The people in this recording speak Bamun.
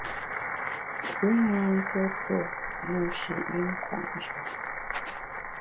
Pü na ntuo tuo na shi i nkwet njap.